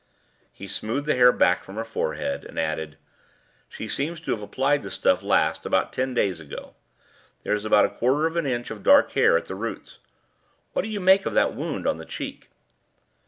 He smoothed the hair back from her forehead, and added: "She seems to have applied the stuff last about ten days ago. There is about a quarter of an inch of dark hair at the roots. What do you make of that wound on the cheek?"